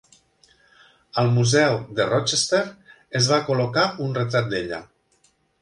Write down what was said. Al museu de Rochester es va col·locar un retrat d'ella.